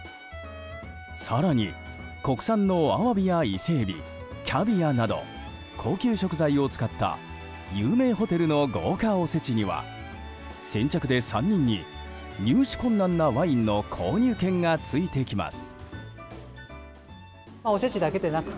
更に国産のアワビやイセエビキャビアなど高級食材を使った有名ホテルの豪華おせちには先着で３人に入手困難なワインの購入権が付いてきます。